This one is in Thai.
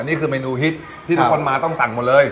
นี่คือเมนูฮิตที่ทุกคนมาต้องสั่งหมดเลย